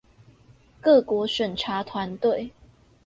各國審查團隊